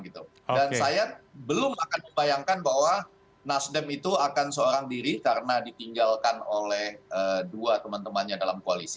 dan saya belum akan membayangkan bahwa nasdem itu akan seorang diri karena ditinggalkan oleh dua teman temannya dalam koalisi